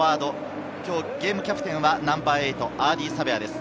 ゲームキャプテンはナンバー８、アーディー・サヴェアです。